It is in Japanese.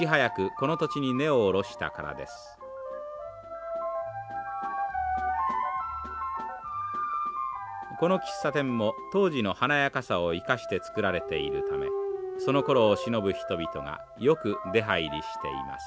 この喫茶店も当時の華やかさを生かして作られているためそのころをしのぶ人々がよく出はいりしています。